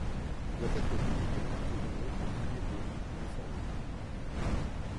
Il doit être régulièrement tourné pour cuire le riz uniformément.